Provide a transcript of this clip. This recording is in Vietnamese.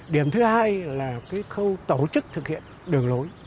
điểm thứ hai là cái khâu tổ chức thực hiện đường lối